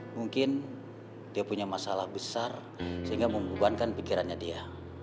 mungkin dia punya masalah besar sehingga membebankan pikirannya dia